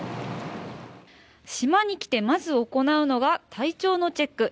島に来てまず行うのが体調のチェック。